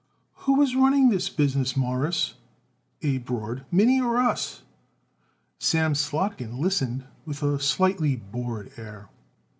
"Who is running this business, Mawruss?" Abe roared. "Minnie or us?" Sam Slotkin listened with a slightly bored air.